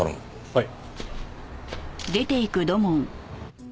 はい。